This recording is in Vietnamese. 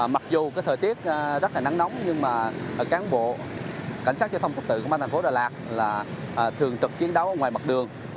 mặc dù thời tiết rất nắng nóng nhưng cán bộ cảnh sát giao thông tục tự của mãn thành phố đà lạt thường trực chiến đấu ngoài mặt đường